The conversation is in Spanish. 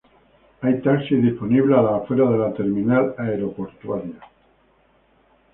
Hay taxis disponibles a las afueras de la terminal aeroportuaria.